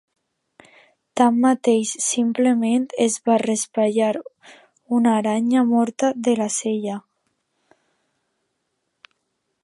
Tanmateix, simplement es va raspallar una aranya morta de la cella.